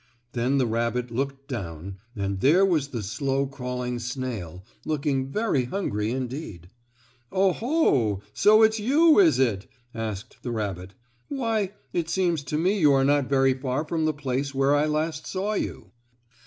Then the rabbit looked down, and there was the slow crawling snail, looking very hungry indeed. "Oh, ho! So it's you, is it?" asked the rabbit. "Why, it seems to me you are not very far from the place where I last saw you."